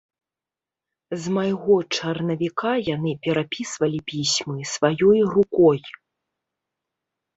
З майго чарнавіка яны перапісвалі пісьмы сваёй рукой.